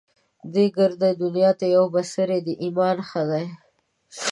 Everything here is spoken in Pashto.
دې ګردې دنيا نه يو بڅری د ايمان ښه دی